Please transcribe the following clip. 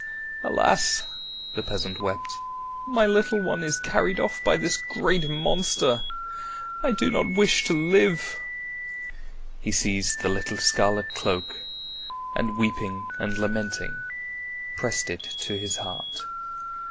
"Alas!" the peasant wept, "my little one is carried off by this great monster. I do not wish to live!" He seized the little scarlet cloak, and weeping and lamenting pressed it to his heart.